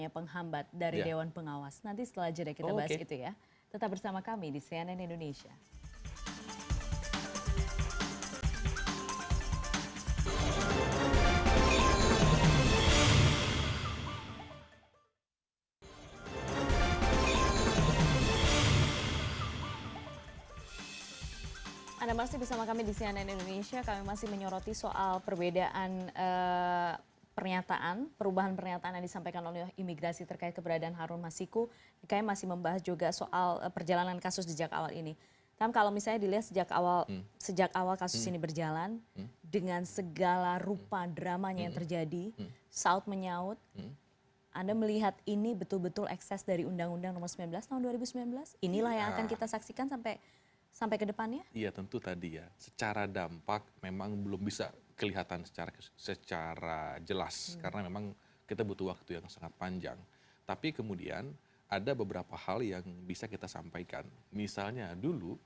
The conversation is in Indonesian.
antara pedagang hukum antara pemilik tempat ini steril